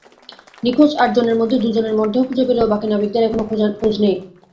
নিখোঁজ আটজনের মধ্যে দুজনের মরদেহ খুঁজে পেলেও বাকি নাবিকদের এখনো খোঁজ নেই।